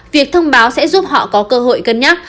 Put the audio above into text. việc thông báo sẽ giúp họ có cơ hội cân nhắc